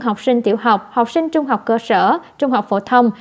học sinh tiểu học học sinh trung học cơ sở trung học phổ thông